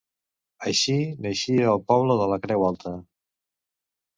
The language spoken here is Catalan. Així naixia el poble de la Creu Alta.